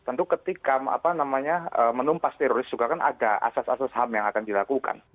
tentu ketika menumpas teroris juga kan ada asas asas ham yang akan dilakukan